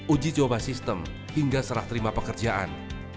uji coba sistem hingga serah terima pekerjaan